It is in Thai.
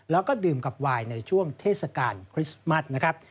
แล้วก็ดื่มกับวายในช่วงเทศกาลคริสต์มัสนะครับ